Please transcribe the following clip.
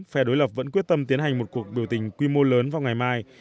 phe đối lập vẫn quyết tâm tiến hành một cuộc biểu tình quy mô lớn vào ngày mai